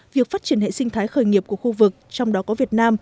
việc phát triển hệ sinh thái khởi nghiệp của khu vực trong đó có việt nam